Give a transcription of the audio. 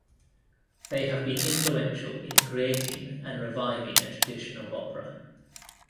They have been influential in creating and reviving a tradition of opera.